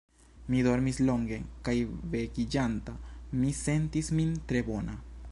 Mi dormis longe, kaj vekiĝanta mi sentis min tre bona.